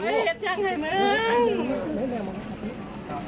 แม็กกี้อยากบอกอะไรกับครอบครัวภรรยาไหมเป็นครั้งสุดท้าย